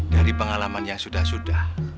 dari pengalaman yang sudah sudah